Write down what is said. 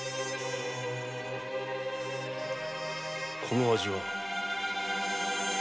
この味は？